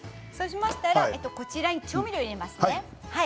こちらに調味料を入れます。